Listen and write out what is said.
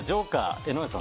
江上さん